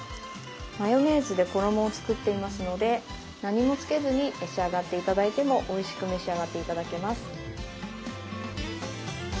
マヨネーズで衣を作っていますので何もつけずに召し上がって頂いてもおいしく召し上がって頂けます。